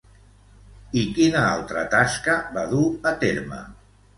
I quina altra tasca va dur a terme?